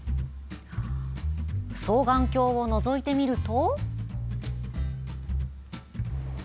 双眼鏡をのぞいてみると。